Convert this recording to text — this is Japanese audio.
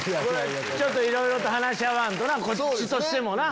いろいろと話し合わんとなこっちとしてもな。